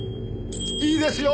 いいですよ